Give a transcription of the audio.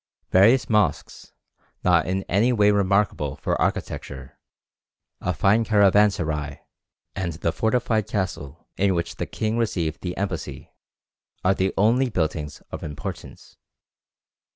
Various mosques, not in any way remarkable for architecture, a fine caravanserai, and the fortified castle in which the king received the embassy, are the only buildings of importance.